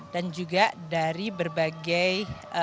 dan juga dari berbagai